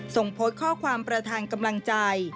ส่งโพสต์ข้อความประธานกำลังใจ